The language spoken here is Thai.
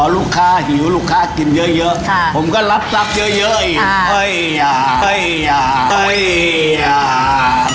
อ๋อลูกค้าหิวลูกค้ากินเยอะผมก็รับเยอะ